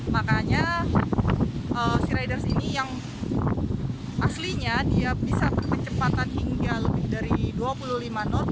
makanya sea riders ini yang aslinya dia bisa berkecepatan hingga lebih dari dua puluh lima knot